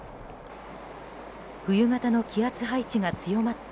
冬型の気圧配置が強まった